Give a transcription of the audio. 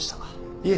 いえ。